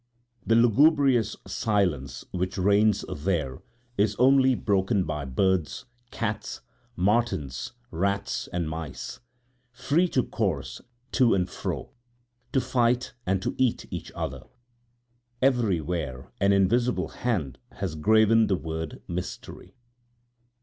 The lugubrious silence which reigns there is only broken by birds, cats, martins, rats and mice, free to course to and fro, to fight and to eat each other. Everywhere an invisible hand has graven the word mystery.